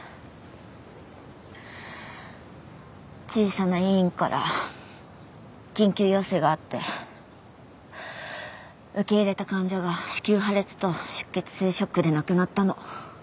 小さな医院から緊急要請があって受け入れた患者が子宮破裂と出血性ショックで亡くなったの。